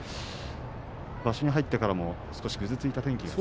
場所に入ってからも少しぐずついた天気が